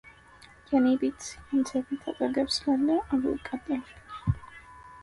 የእኔ ቤት የአንተ ቤት አጠገብ ስላለ አብሮ ይቃጠልብኛል።